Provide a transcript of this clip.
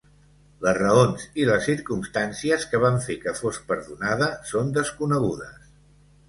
Les raons i les circumstàncies que van fer que fos perdonada són desconegudes.